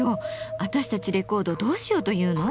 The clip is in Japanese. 私たちレコードをどうしようというの？